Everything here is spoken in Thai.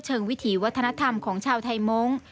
วิถีวัฒนธรรมของชาวไทยมงค์